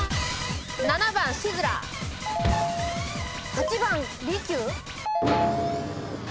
８番利久？